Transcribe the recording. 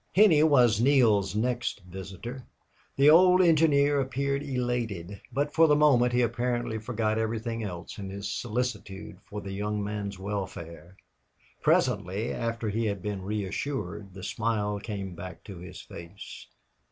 Henney was Neale's next visitor. The old engineer appeared elated, but for the moment he apparently forgot everything else in his solicitude for the young man's welfare. Presently, after he had been reassured, the smile came back to his face.